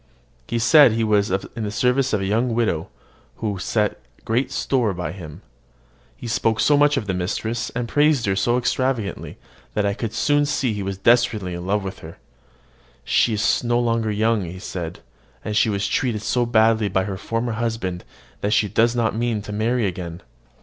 He said he was in the service of a young widow, who set great store by him. He spoke so much of his mistress, and praised her so extravagantly, that I could soon see he was desperately in love with her. "She is no longer young," he said: "and she was treated so badly by her former husband that she does not mean to marry again."